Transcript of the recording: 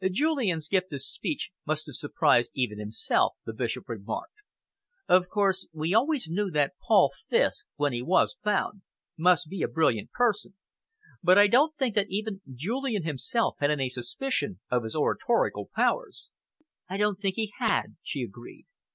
"Julian's gift of speech must have surprised even himself," the Bishop remarked. "Of course, we always knew that 'Paul Fiske', when he was found, must be a brilliant person, but I don't think that even Julian himself had any suspicion of his oratorical powers." "I don't think he had," she agreed.